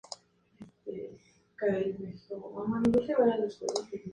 Apodado "Pepo", fue un helicóptero biplaza que llevaba el motor delante del rotor principal.